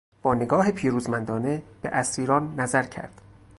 با نگاه پیروزمندانه به اسیران نظر کرد.